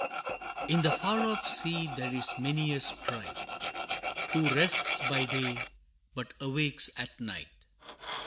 In the far off sea there is many a sprite, Who rests by day, but awakes at night.